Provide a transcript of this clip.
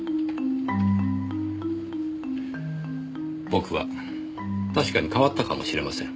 僕は確かに変わったかもしれません。